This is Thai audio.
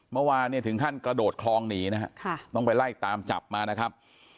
เมื่อวานเนี่ยถึงขั้นกระโดดคลองหนีนะฮะต้องไปไล่ตามจับมานะครับ